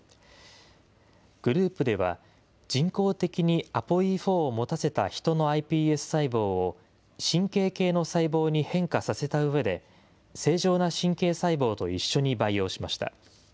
グループでは、人工的にＡＰＯＥ４を持たせたヒトのｉＰＳ細胞を、神経系の細胞に変化させたうえで、正常な神経細胞と一緒に培養しました。